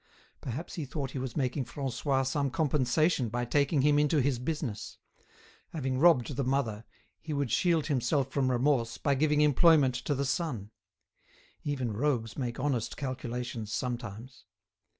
Perhaps he thought he was making Francois some compensation by taking him into his business; having robbed the mother, he would shield himself from remorse by giving employment to the son; even rogues make honest calculations sometimes.